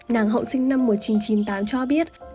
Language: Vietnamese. nàng hậu sinh năm một nghìn chín trăm chín mươi tám cho biết